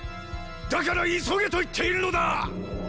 だから急げと言っているのだ！